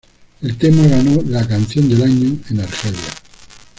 El tema ganó la ""Canción del año"", en Argelia..